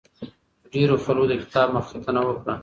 ډېرو خلکو د کتاب مخکتنه وکړه.